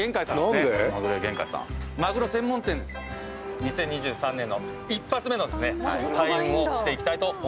２０２３年の１発目の開運をしていきたいと思います。